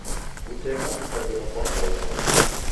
Kuteng'a kukajoka kwa mpapau